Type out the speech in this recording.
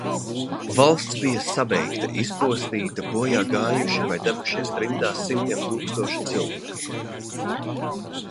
"Valsts bija "sabeigta", izpostīta, bojā gājuši vai devušies trimdā simtiem tūkstošu cilvēku."